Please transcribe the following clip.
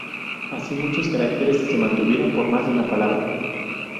Así muchos caracteres se mantuvieron por más de una palabra.